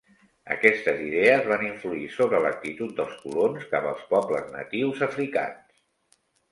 Aquestes idees van influir sobre l'actitud dels colons cap als pobles natius africans.